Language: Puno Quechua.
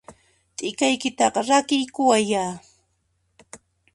T'ikaykitaqa rakiykuwayyá!